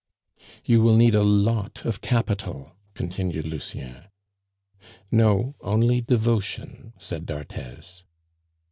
"You will need a lot of capital," continued Lucien. "No, only devotion," said d'Arthez.